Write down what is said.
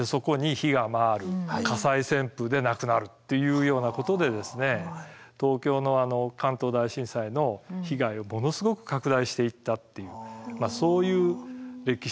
火災旋風で亡くなるっていうようなことで東京の関東大震災の被害をものすごく拡大していったっていうそういう歴史があるんですね。